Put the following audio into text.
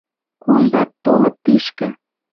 Кузат, толыт тишкӹ —